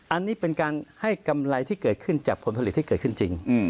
อันนี้เป็นการให้กำไรที่เกิดขึ้นจากผลผลิตที่เกิดขึ้นจริง